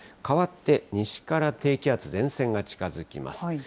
かわって西から低気圧、前線が近づきます。